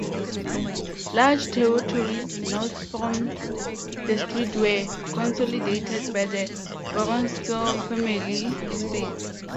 Large territories north from the street were consolidated by the Vorontsov family estate.